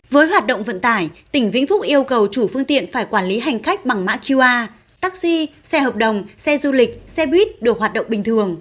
với hoạt động vận tải tỉnh vĩnh phúc yêu cầu chủ phương tiện phải quản lý hành khách bằng mã qr taxi xe hợp đồng xe du lịch xe buýt được hoạt động bình thường